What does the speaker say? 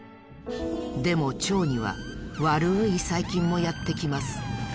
でも腸にはわるい細菌もやってきます。